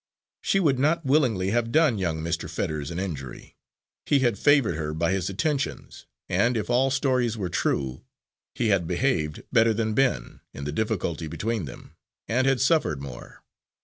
She would not willingly have done young Mr. Fetters an injury. He had favoured her by his attentions, and, if all stories were true, he had behaved better than Ben, in the difficulty between them, and had suffered more.